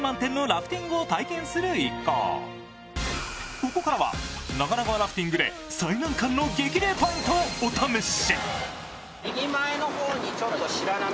ここからは長良川ラフティングで最難関の激流ポイントをお試し。